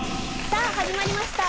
さあ始まりました